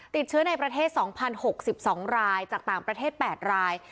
ติดเชื้อในประเทศ๒๐๖๒รายจากต่างประเทศ๘ราย